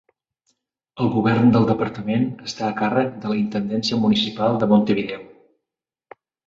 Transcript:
El govern del departament està a càrrec de la Intendència Municipal de Montevideo.